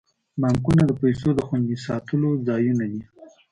بانکونه د پیسو د خوندي ساتلو ځایونه دي.